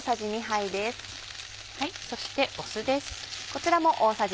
そして酢です。